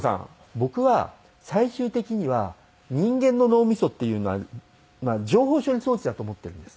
僕は最終的には人間の脳みそっていうのは情報処理装置だと思ってるんです。